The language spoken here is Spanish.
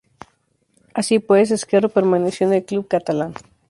Así pues, Ezquerro permaneció en el club catalán.